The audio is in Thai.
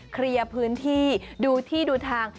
เคลียร์พื้นที่ดูที่ดูทาง